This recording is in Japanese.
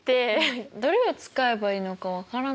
どれを使えばいいのか分からない。